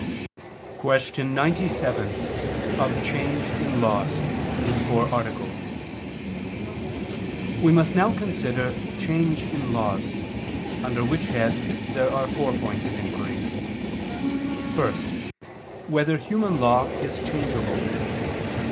________________________ QUESTION 97 OF CHANGE IN LAWS (In Four Articles) We must now consider change in laws: under which head there are four points of inquiry: (1) Whether human law is changeable?